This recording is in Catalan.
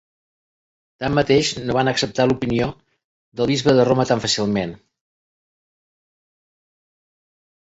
Tanmateix, no van acceptar l'opinió del bisbe de Roma tan fàcilment.